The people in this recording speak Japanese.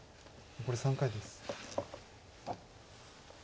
残り３回です。